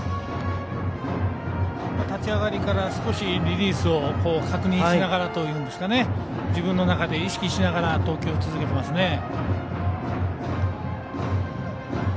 立ち上がりから少しリリースを確認しながらというか自分の中で意識しながら投球を続けていますね。